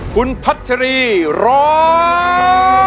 คุณพัชรีร้อง